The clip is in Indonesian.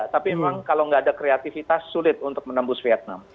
tapi memang kalau nggak ada kreativitas sulit untuk menembus vietnam